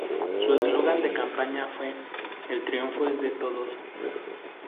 Su eslogan de campaña fue "El Triunfo es de Todos".